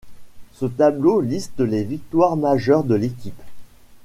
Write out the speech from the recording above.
Ce tableau liste les victoires majeures de l'équipe.